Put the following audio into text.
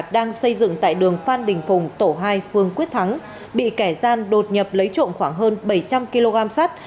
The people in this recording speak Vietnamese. đang xây dựng tại đường phan đình phùng tổ hai phương quyết thắng bị kẻ gian đột nhập lấy trộm khoảng hơn bảy trăm linh kg sắt